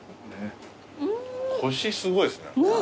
コシすごいですね。